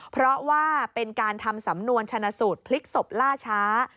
เพราะว่าเป็นการทำสำนวนชนะสูตรพลิกศพล่าช้า